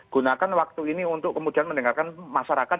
gunakan waktu ini untuk kemudian mendengarkan masyarakat